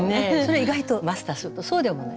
意外とマスターするとそうでもない。